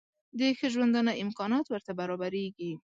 د ښه ژوندانه امکانات ورته برابرېږي.